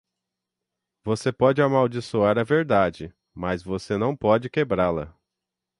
Você pode amaldiçoar a verdade, mas você não pode quebrá-la.